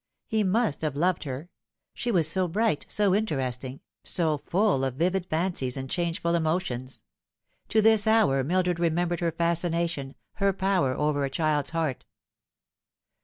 He must have loved her. She was so bright, so interesting, so full of vivid fancies and changeful emotions. To this hour Mildred remembered her fascination, her power over a child's heart.